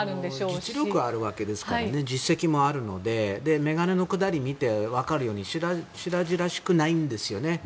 実力もあって実績もあるので、眼鏡のくだりを見て分かるように白々しくないんですよね。